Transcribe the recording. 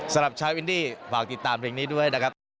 สำหรับชายวินดี้ฝากติดตามเพลงนี้ด้วยนะครับ